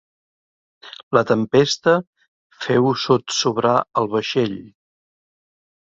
La tempesta feu sotsobrar el vaixell.